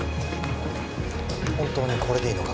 本当にこれでいいのか？